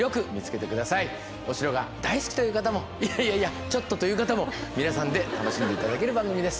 お城が大好きという方もいやいやいやちょっとという方も皆さんで楽しんで頂ける番組です。